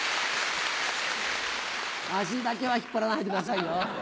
足だけは引っ張らないでくださいよ。